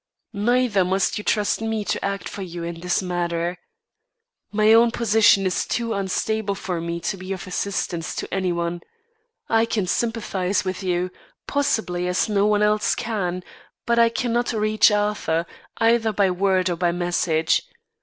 Neither must you trust me to act for you in this matter. My own position is too unstable for me to be of assistance to any one. I can sympathise with you, possibly as no one else can; but I cannot reach Arthur, either by word or by message.